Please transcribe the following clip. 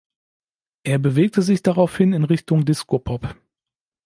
Er bewegte sich daraufhin in Richtung Disco-Pop.